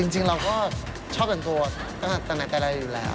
จริงเราก็ชอบแต่งตัวตั้งแต่ละอยู่แล้ว